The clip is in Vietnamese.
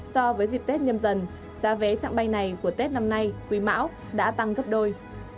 so với dịp tết nhâm dần giá vé trạng bay này của tết năm nay quý mão đã tăng gấp đôi